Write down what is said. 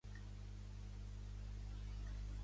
Ruby Cadwick és força sentimental.